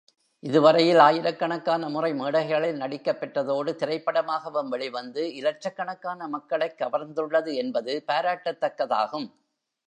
இதுவரையில் ஆயிரக்கணக்கான முறை மேடைகளில் நடிக்கப் பெற்றதோடு திரைப்படமாகவும் வெளிவந்து இலட்சக்கணக்கான மக்களைக் கவர்ந்துள்ளது என்பது பாராட்டத்தக்கதாகும்.